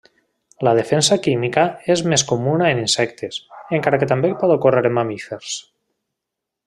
La defensa química és més comuna en insectes, encara que també pot ocórrer en mamífers.